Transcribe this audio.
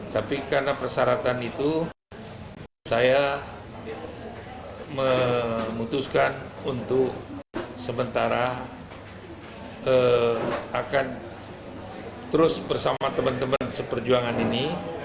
tapi karena persyaratan itu saya memutuskan untuk sementara akan terus bersama teman teman seperjuangan ini